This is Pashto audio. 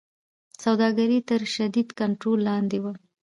سوداګري تر شدید کنټرول لاندې وه.